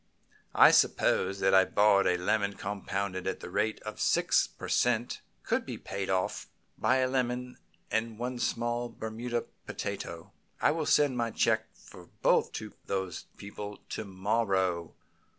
"I suppose that a borrowed lemon compounded at the rate of six per cent. could be paid off by a lemon and one small Bermuda potato. I will send my check for both to those people to morrow.